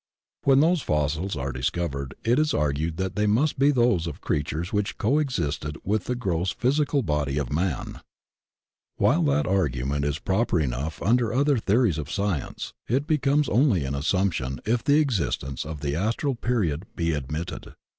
When those fossils are discov ered it is argued that they must be those of creatures which coexisted with the gross physical body of man. WHY MISSING LINKS UNDISCOVERABLE 133 While that argument is proper enough under the other theories of Science, it becomes only an assump tion if the existence of the astral period be admitted.